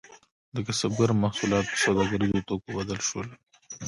د کسبګرو محصولات په سوداګریزو توکو بدل شول.